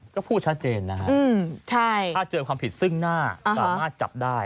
ก็พูดชัดเจนนะฮะถ้าเจอความผิดซึ่งหน้าสามารถจับได้